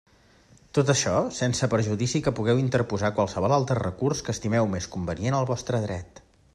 Tot això, sense perjudici que pugueu interposar qualsevol altre recurs que estimeu més convenient al vostre dret.